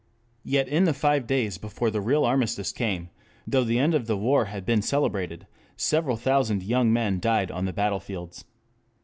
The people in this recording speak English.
Yet in the five days before the real armistice came, though the end of the war had been celebrated, several thousand young men died on the battlefields.